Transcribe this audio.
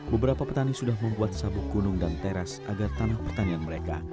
beberapa petani sudah membuat sabuk gunung dan teras agar tanah pertanian mereka